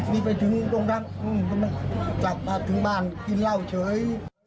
นี่ไปถึงตรงนั้นกลับมาถึงบ้านกินเหล้าเฉย